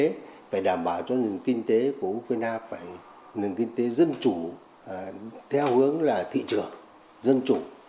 kinh tế phải đảm bảo cho nền kinh tế của ukraine phải nền kinh tế dân chủ theo hướng là thị trường dân chủ